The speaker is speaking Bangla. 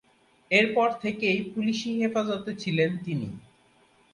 এর পর থেকেই পুলিশি হেফাজতে ছিলেন তিনি।